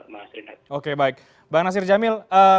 mas renat oke baik bang nasir jamil